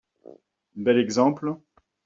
Bel exemple